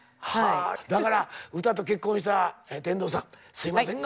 だから歌と結婚した天童さんすいませんが。